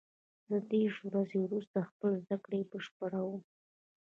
زه دېرش ورځې وروسته خپله زده کړه بشپړوم.